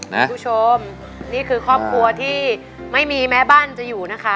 คุณผู้ชมนี่คือครอบครัวที่ไม่มีแม้บ้านจะอยู่นะคะ